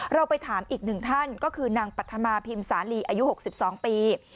เราไปถามอีกหนึ่งท่านก็คือนางปัธมาพิมสาลีอายุ๖๒ปี